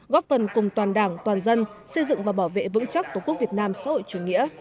góp phần cùng toàn đảng toàn dân xây dựng và bảo vệ vững chắc tổ quốc việt nam xã hội chủ nghĩa